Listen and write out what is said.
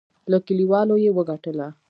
له کلیوالو یې وګټله.